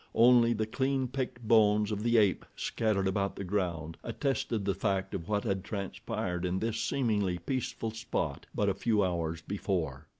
Only the clean picked bones of the ape, scattered about the ground, attested the fact of what had transpired in this seemingly peaceful spot but a few hours before.